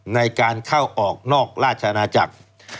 ในการเข้าออกนอกราชอาณาจักร